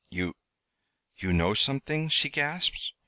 "You you know something?" she gasped.